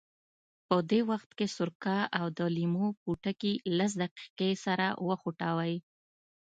په دې وخت کې سرکه او د لیمو پوټکي لس دقیقې سره وخوټوئ.